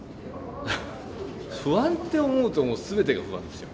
不安って思うともう全てが不安ですよ